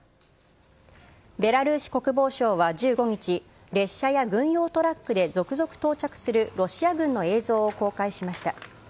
ベラルーシ国防省は１５日、列車や軍用トラックで続々到着するロシア軍の映像を公開しました。